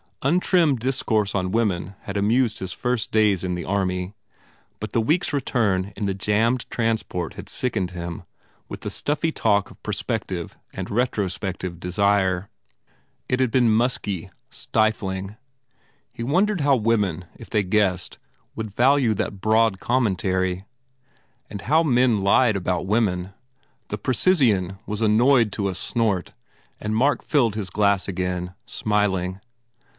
Untrimmed discourse on women had amused his first days in the army. But the weeks return in the jammed transport had sickened him with the stuffy talk of prospective and retrospective desire. It had been musky, stifling. He wondered how women, if they guessed, would value that broad commen tary. And how men lied about women ! The precisian was annoyed to a snort and Mark filled his glass again, smiling.